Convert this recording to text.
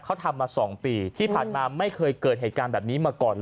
เขาทำมา๒ปีที่ผ่านมาไม่เคยเกิดเหตุการณ์แบบนี้มาก่อนเลย